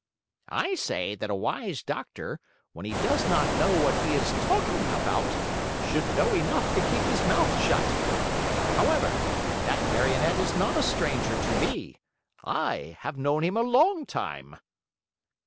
"I say that a wise doctor, when he does not know what he is talking about, should know enough to keep his mouth shut. However, that Marionette is not a stranger to me. I have known him a long time!"